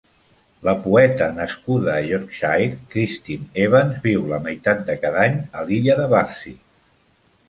La poeta nascuda a Yorkshire Christine Evans viu la meitat de cada any a l'illa de Bardsey.